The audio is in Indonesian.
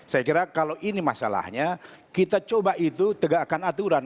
saya kira kalau ini masalahnya kita coba itu tegakkan aturan